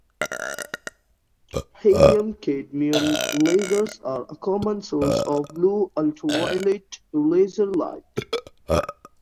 Helium-cadmium lasers are a common source of blue-ultraviolet laser light.